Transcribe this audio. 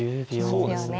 そうですね。